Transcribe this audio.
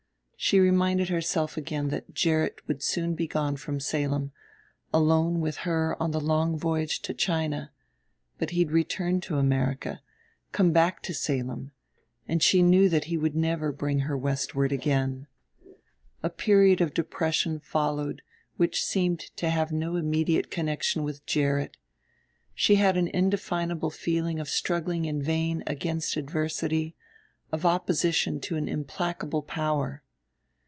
She reminded herself again that Gerrit would soon be gone from Salem, alone with her on the long voyage to China; but he'd return to America, come back to Salem; and she knew that he would never bring her westward again. A period of depression followed which seemed to have no immediate connection with Gerrit; she had an indefinable feeling of struggling in vain against adversity, of opposition to an implacable power.